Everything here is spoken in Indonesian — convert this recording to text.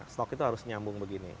stok itu harus nyambung begini